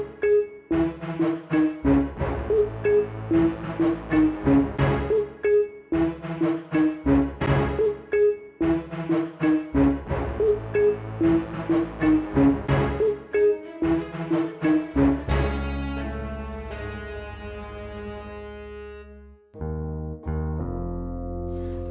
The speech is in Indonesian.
kau bet sama kak junaidi